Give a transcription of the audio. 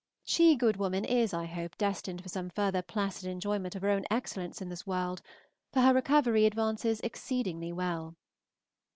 She, good woman, is, I hope, destined for some further placid enjoyment of her own excellence in this world, for her recovery advances exceedingly well.